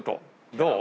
どう？